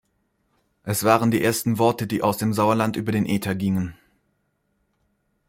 Es waren die ersten Worte, die aus dem Sauerland über den Äther gingen.